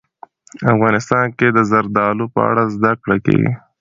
افغانستان کې د زردالو په اړه زده کړه کېږي.